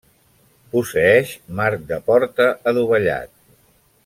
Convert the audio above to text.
Posseeix marc de porta adovellat.